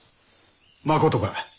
まことか！